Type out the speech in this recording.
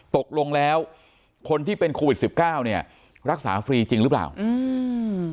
ตกลงแล้วคนที่เป็นโควิดสิบเก้าเนี้ยรักษาฟรีจริงหรือเปล่าอืม